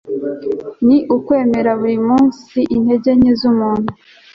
ni ukwemera buri munsi intege nke z'umuntu